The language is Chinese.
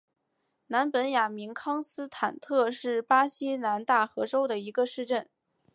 南本雅明康斯坦特是巴西南大河州的一个市镇。